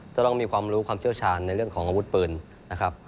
ต้องมีความรู้ความเชี่ยวชาญในเรื่องของอาวุธปืนนะครับ